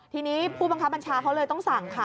ทีนี้ผู้บังคับบัญชาเขาเลยต้องสั่งค่ะ